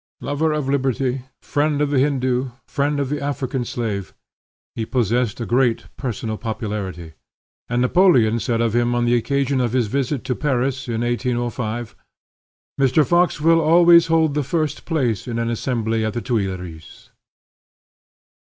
Lover of liberty, friend of the Hindoo, friend of the African slave, he possessed a great personal popularity; and Napoleon said of him on the occasion of his visit to Paris, in 1805, "Mr. Fox will always hold the first place in an assembly at the Tuileries."